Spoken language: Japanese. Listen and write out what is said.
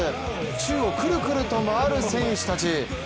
宙をくるくると回る選手たち。